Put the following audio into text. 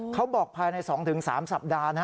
เขาบอกภายใน๒๓สัปดาห์